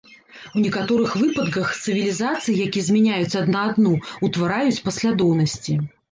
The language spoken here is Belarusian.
У некаторых выпадках, цывілізацыі, якія змяняюць адна адну ўтвараюць паслядоўнасці.